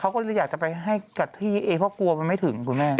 เขาก็เลยอยากจะไปให้กับที่เอเพราะกลัวมันไม่ถึงคุณแม่